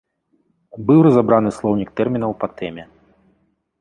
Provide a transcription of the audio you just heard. Быў разабраны слоўнік тэрмінаў па тэме.